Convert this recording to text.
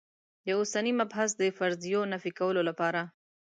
د اوسني مبحث د فرضیو نفي کولو لپاره.